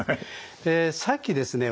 えさっきですね